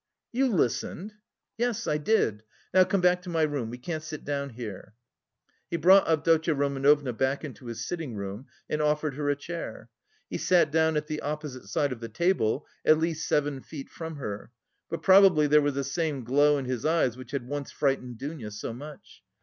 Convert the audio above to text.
"You listened?" "Yes, I did. Now come back to my room; we can't sit down here." He brought Avdotya Romanovna back into his sitting room and offered her a chair. He sat down at the opposite side of the table, at least seven feet from her, but probably there was the same glow in his eyes which had once frightened Dounia so much.